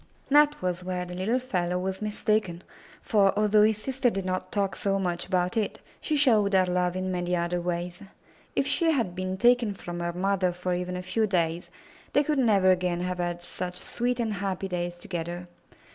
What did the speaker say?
That was where the little fellow was mistaken, for, although his sister did not talk so much about it, she showed her love in many other ways. If she had been taken from her mother for even a few days, they could never again have had such sweet and happy days together.